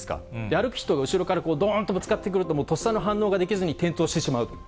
歩く人が後ろから、どーんとぶつかってくると、とっさの反応ができずに転倒してしまう。